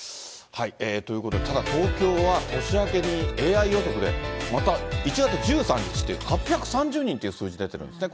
ということで、ただ東京は年明けに、ＡＩ予測で、また１月１３日、８３０人って数字出てるんですね。